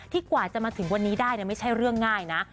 กว่าจะมาถึงวันนี้ได้ไม่ใช่เรื่องง่ายนะ